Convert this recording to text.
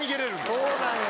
そうなんや。